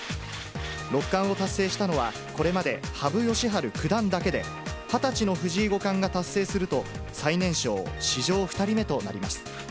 六冠を達成したのは、これまで羽生善治九段だけで、２０歳の藤井五冠が達成すると、最年少、史上２人目となります。